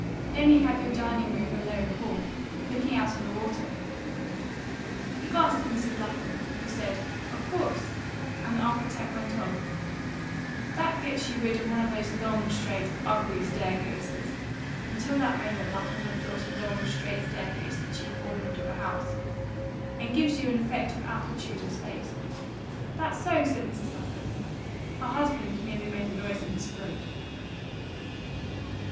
"Then have your dining room behind the hall, looking on the water." He glanced at Mrs. Lapham, who said, "Of course," and the architect went on "That gets you rid of one of those long, straight, ugly staircases," until that moment Lapham had thought a long, straight staircase the chief ornament of a house, "and gives you an effect of amplitude and space." "That's so!" said Mrs. Lapham. Her husband merely made a noise in his throat.